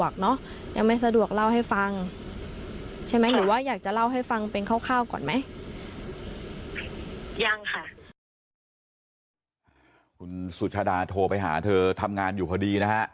ก่อนไหมยังค่ะคุณสุชาดาโทรไปหาเธอทำงานอยู่พอดีนะฮะ